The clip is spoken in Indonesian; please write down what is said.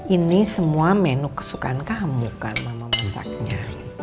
ini semua menu kesukaan kamu kan mama masaknya